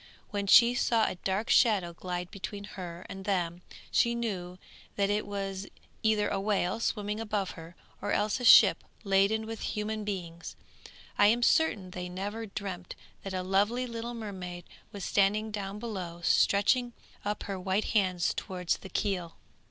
When she saw a dark shadow glide between her and them, she knew that it was either a whale swimming above her, or else a ship laden with human beings. I am certain they never dreamt that a lovely little mermaid was standing down below, stretching up her white hands towards the keel.